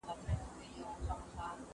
وخت په ډېرې بې رحمۍ سره تېرېدلی شي.